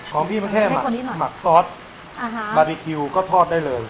ของพี่มันแค่มักให้คนนี้หน่อยมักซอสอ่าฮะบาร์บีคิวก็ทอดได้เลย